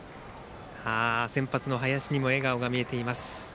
先発の林にも笑顔が見えています。